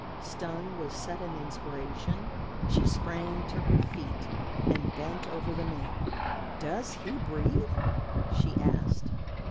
Stung with sudden inspiration she sprang to her feet and bent over the man. "Does he breathe?" she asked.